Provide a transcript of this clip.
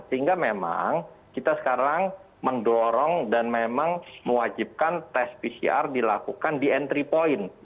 sehingga memang kita sekarang mendorong dan memang mewajibkan tes pcr dilakukan di entry point